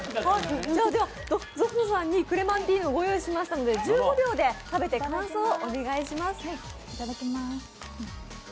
では、ぞのさんにクレマンティーヌご用意しましたので１５秒で食べて感想をお願いします。